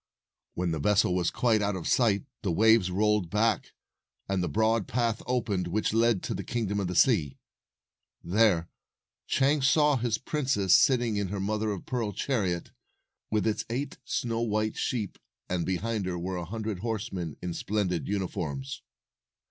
When the vessel was quite out of sight, the waves rolled back, and the broad path opened which led to the Kingdom of the Sea. There Chang saw his princess sitting in her mother of pearl chariot, with its eight snow white sheep, and behind her were a hundred horsemen in splendid uniforms.